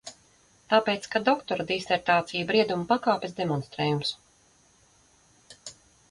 Tāpēc, ka doktora disertācija ir brieduma pakāpes demonstrējums.